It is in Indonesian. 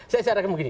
saya sarankan begini